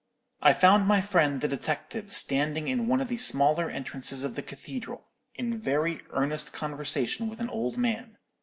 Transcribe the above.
"I found my friend the detective standing in one of the smaller entrances of the cathedral, in very earnest conversation with an old man.